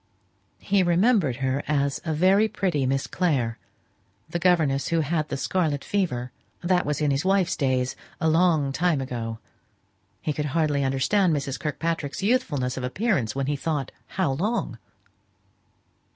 He remembered her as a very pretty Miss Clare: the governess who had the scarlet fever; that was in his wife's days, a long time ago; he could hardly understand Mrs. Kirkpatrick's youthfulness of appearance when he thought how long.